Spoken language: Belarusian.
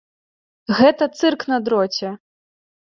Гэта цырк на дроце!